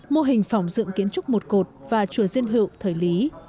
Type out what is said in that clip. mô hình phòng dựng kiến trúc một cột và chùa riêng hiệu thời lý